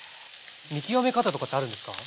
見極め方とかってあるんですか？